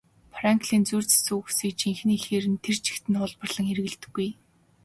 Франклин зүйр цэцэн үгсийг жинхэнэ эхээр нь тэр чигт нь хуулбарлан хэрэглэдэггүй.